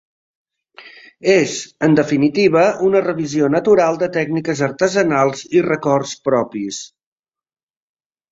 És, en definitiva, una revisió natural de tècniques artesanals i records propis.